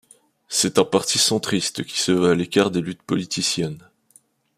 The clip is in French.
C'est un parti centriste qui se veut à l'écart des luttes politiciennes.